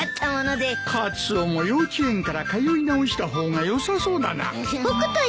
カツオも幼稚園から通い直した方がよさそうだな。